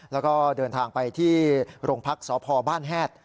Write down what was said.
แล้วก็เดินทางไปที่โรงพักษ์สพบ้านแฮด